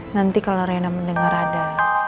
nanti kalau reina mendengar ada